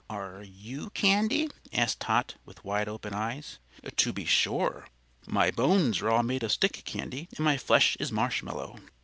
"Are you candy?" asked Tot, with wide open eyes. "To be sure. My bones are all made of stick candy and my flesh is marshmallow.